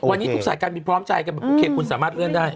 วันนี้ทุกสายการบินพร้อมใจกันแบบโอเคคุณสามารถเลื่อนได้